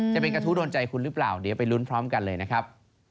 จะเป็นกระทู้โดนใจคุณหรือเปล่าเดี๋ยวไปลุ้นพร้อมกันเลยนะครับ